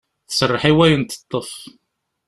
Tserreḥ i wayen i teṭṭef.